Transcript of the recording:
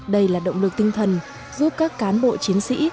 đây là động lực tinh thần giúp các cán bộ chiến sĩ